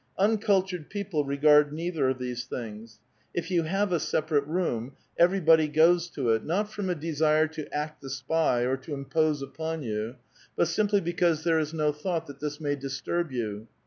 Uncultured people regard neither of these things ; if you have a separate room, everybody goes to it, not from a desire to act the spy or to impose upon you, but simply because there is no thought that this may disturb you.